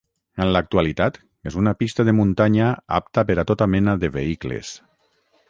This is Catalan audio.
En l'actualitat és una pista de muntanya apta per a tota mena de vehicles.